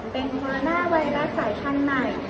เป็นโคโรนาไวรัสสายพันธุ์ใหม่